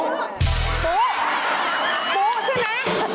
อุใช่ไหม